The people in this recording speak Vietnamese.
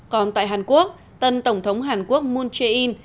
còn tại hàn quốc tân tổng thống hàn quốc moon jae in